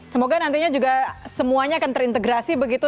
semoga nantinya juga semuanya akan terintegrasi begitu